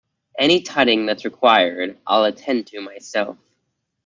Any tutting that's required, I'll attend to myself.